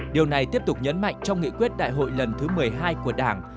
điều này tiếp tục nhấn mạnh trong nghị quyết đại hội lần thứ một mươi hai của đảng